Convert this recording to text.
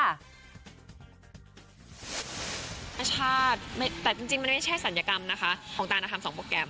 อาชาติแต่จริงมันไม่ใช่ศัลยกรรมนะคะของตานทำ๒โปรแกรม